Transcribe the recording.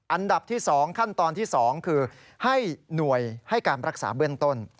อันดับที่๒ขั้นตอนที่๒คือให้หน่วยให้การรักษาเบื้องต้น